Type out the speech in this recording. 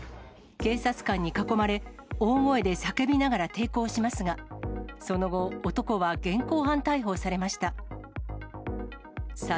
警察官に囲まれ、大声で叫びながら抵抗しますが、その後、男は現行犯逮捕されました。